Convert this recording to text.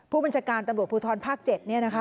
ผู้บัญชาการตำรวจภูทรภาค๗